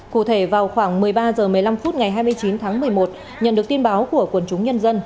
cụ thể vào khoảng một mươi ba h một mươi năm phút ngày hai mươi chín tháng một mươi một nhận được tin báo của quần chúng nhân dân